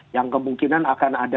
yang kemungkinan akan ada